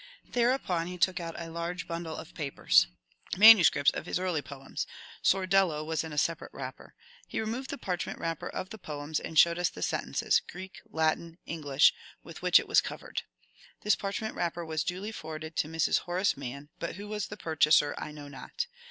Thereupon he took out a large bundle of papers, — manu scripts of his early poems (" Sordello " was in a separate wrap per) ; he removed the parchment wrapper of the poems, and MEETING WITH BROWNING 19 showed us the sentences — Greek, Latin, English — with which it was covered. This parchment wrapper was duly forwarded to Mrs. Horace Mann, but who was the purchaser I know not.